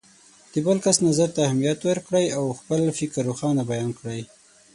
د بل کس نظر ته اهمیت ورکړئ او خپل فکر روښانه بیان کړئ.